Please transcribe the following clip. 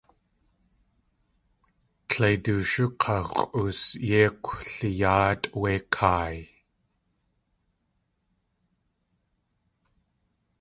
Tleidooshú k̲aa x̲ʼoos yéi kwliyáatʼ wé kaay.